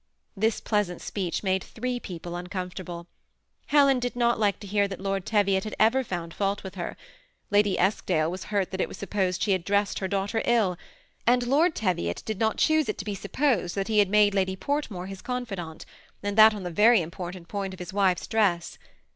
This pleasant speech made three people uncomfortable. Hel en did not like to hear that Lord Teviot had ever found fault with her, — Lady Eskdale was hurt that it was supposed she had dressed her daughter ill, — and Lord Teviot did not choose it to be supposed that he had made Lady Portmore his confidante, and that on the very important point of his wife's dress.